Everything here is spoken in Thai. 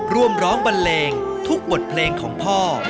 ร่วมร้องบันเลงทุกบทเพลงของพ่อ